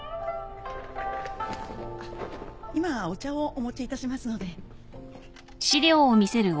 あっ今お茶をお持ちいたしますので。